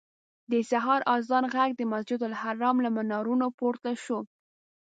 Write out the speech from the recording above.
د سهار اذان غږ د مسجدالحرام له منارونو پورته شو.